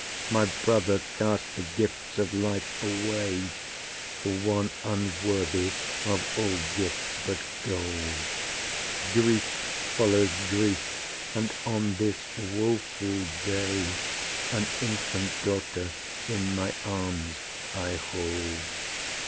My brother cast the gifts of life away For one unworthy of all gifts but gold, Grief follows grief and on this woeful day An infant daughter in my arms I hold.